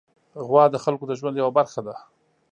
غوا د خلکو د ژوند یوه برخه ده.